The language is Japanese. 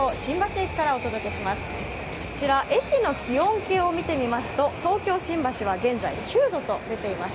駅の気温計を見てみますと東京新橋は現在９度と出ています。